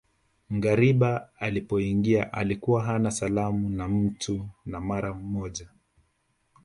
Ngariba alipoingia alikuwa hana salamu na mtu na mara moja